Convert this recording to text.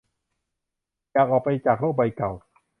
ออกไปจากโลกใบเก่า